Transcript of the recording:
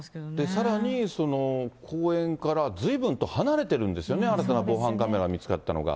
さらに、公園からずいぶんと離れてるんですよね、新たな防犯カメラで見つかったのが。